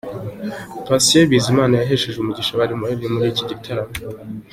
Patient Bizimana yahesheje umugisha abari muri iki gitaramo.